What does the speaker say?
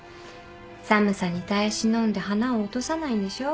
寒さに耐え忍んで花を落とさないんでしょ？